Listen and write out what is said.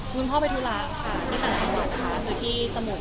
คุณพ่อไปทุลาค่ะที่ต่างจังหวังค่ะอยู่ที่สโมยนะคะ